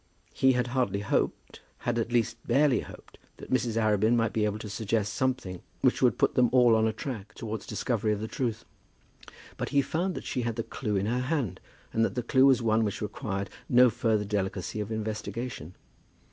He had hardly hoped, had at least barely hoped, that Mrs. Arabin might be able to suggest something which would put them all on a track towards discovery of the truth. But he found that she had the clue in her hand, and that the clue was one which required no further delicacy of investigation.